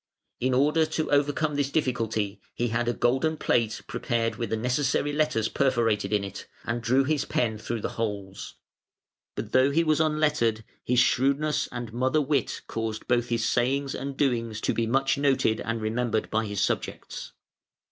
In order to overcome this difficulty he had a golden plate prepared with the necessary letters perforated in it, and drew his pen through the holes. But, though he was unlettered, his shrewdness and mother wit caused both his sayings and doings to be much noted and remembered by his subjects.